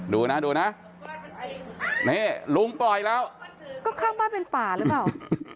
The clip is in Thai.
ดูนะดูนะนี่ลุงปล่อยแล้วก็ข้างบ้านเป็นป่าหรือเปล่า